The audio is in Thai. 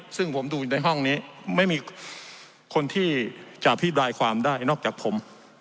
ซึ่งผมดูในห้องนี้ไม่มีคนที่จะอภิปรายความได้นอกจากผม